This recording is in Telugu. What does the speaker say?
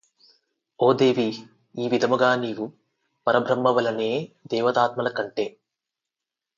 ఓ దేవీ ! ఈ విధముగా నీవు పరబ్రహ్మవలెనే దేవతాత్మల కంటె